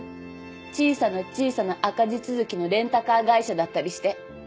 小さな小さな赤字続きのレンタカー会社だったりして。